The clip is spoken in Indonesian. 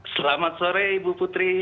selamat sore ibu putri